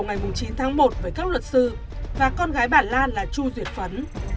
bên bản làm việc vào chiều ngày chín tháng một với các luật sư và con gái bà lan là chu duyệt phấn